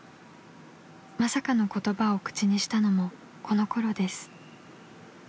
［まさかの言葉を口にしたのもこのころです］